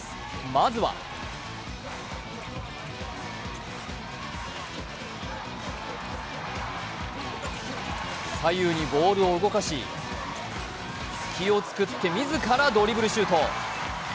まずは左右にボールを動かし隙を作って、自らドリブルシュート。